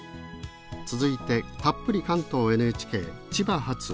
続いてたっぷり関東ＮＨＫ「千葉発！